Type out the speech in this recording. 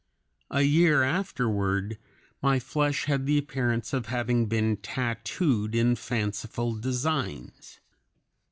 A year afterward my flesh had the appearance of having been tattooed in fanciful designs.